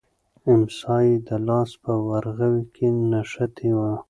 امسا یې د لاس په ورغوي کې نښتې وه.